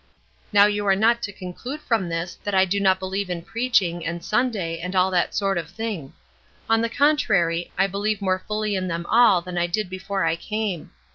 "Now you are not to conclude from this that I do not believe in preaching, and Sunday, and all that sort of thing; on the contrary, I believe more fully in them all than I did before I came.